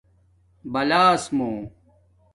بالاس مُو